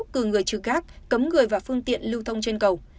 cường người trực gác cấm người và phương tiện lưu thông trên cầu